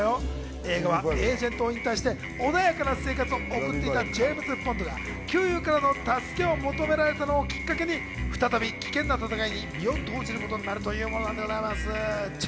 映画は、エージェントを引退して穏やかな生活を送っていたジェームズ・ボンドが、旧友からの助けを求められたのをきっかけに再び危険な戦いに身を投じることになるというもの。